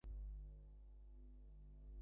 তাঁকে থাকতে দেওয়া হয়েছে একতলায়।